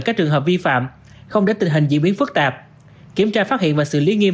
các trường hợp vi phạm không để tình hình diễn biến phức tạp kiểm tra phát hiện và xử lý nghiêm